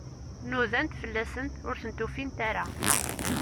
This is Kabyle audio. Nudant fell-asent, ur tent-ufint ara.